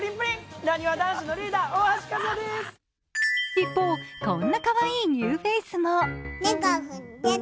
一方、こんなかわいいニューフェイスも。